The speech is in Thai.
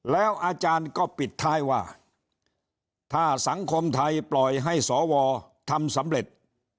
แล้วอาจารย์ก็ปิดท้ายว่าถ้าสังคมไทยปล่อยให้สวทำสำเร็จ